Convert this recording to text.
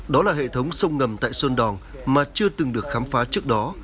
đó là hệ thống sông ngầm tại sơn đòn mà chưa từng được khám phá trước đó